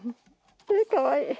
かわいい。